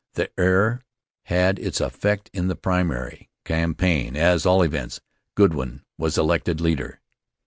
The err' had its effect in the primary campaign. At all events, Goodwin was elected leader.